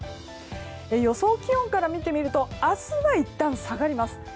予想気温から見てみると明日はいったん下がります。